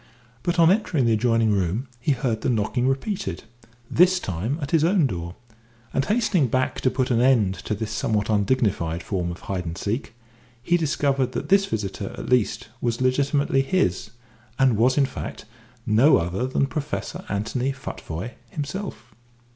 But on entering the adjoining room he heard the knocking repeated this time at his own door; and hastening back to put an end to this somewhat undignified form of hide and seek, he discovered that this visitor at least was legitimately his, and was, in fact, no other than Professor Anthony Futvoye himself.